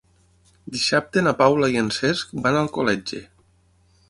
Dissabte na Paula i en Cesc van a Alcoletge.